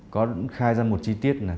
có khai ra một chi tiết